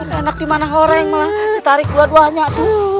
nggak enak di mana orang malah ditarik dua duanya tuh